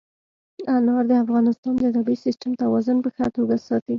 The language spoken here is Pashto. انار د افغانستان د طبعي سیسټم توازن په ښه توګه ساتي.